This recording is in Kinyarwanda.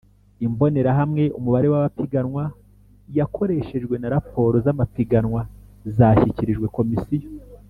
Imbonerahamwe Umubare w amapiganwa yakoreshejwe na raporo z amapiganwa zashyikirijwe Komisiyo